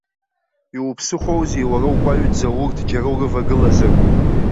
Иуԥсыхәоузеи уара укәаҩӡа урҭ џьара урывагылазар?!